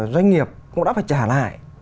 doanh nghiệp cũng đã phải trả lại